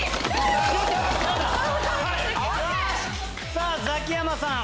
⁉さぁザキヤマさん